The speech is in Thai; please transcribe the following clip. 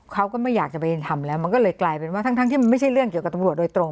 เขาก็ไม่อยากจะไปทำแล้วมันก็เลยกลายเป็นว่าทั้งที่มันไม่ใช่เรื่องเกี่ยวกับตำรวจโดยตรง